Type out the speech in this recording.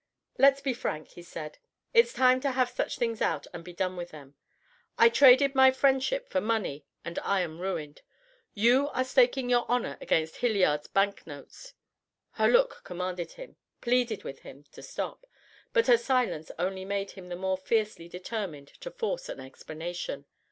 "Let's be frank," he said. "It is best to have such things out and be done with them. I traded my friendship for money and I am ruined. You are staking your honor against Hilliard's bank notes." Her look commanded him, pleaded with him, to stop; but her silence only made him the more fiercely determined to force an explanation.